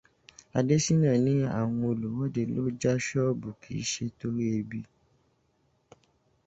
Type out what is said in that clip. Adéṣína ní àwọn olùwọ́de tó já sọ́ọ̀bù kìí ṣe torí ebi.